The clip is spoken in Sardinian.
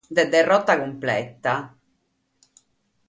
De derrota cumpleta.